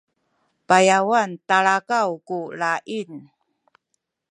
payawan talakaw ku laying